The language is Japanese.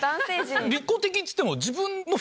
利己的っつっても。